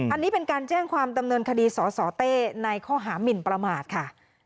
อันนี้เป็นการแจ้งความดำเนินคดีสสเต้ในข้อหามินประมาทค่ะ